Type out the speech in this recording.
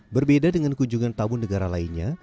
berbeda dengan kunjungan tamu negara lainnya